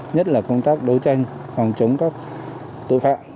nhất là công tác đấu tranh phòng chống các tội phạm